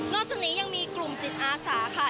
จากนี้ยังมีกลุ่มจิตอาสาค่ะ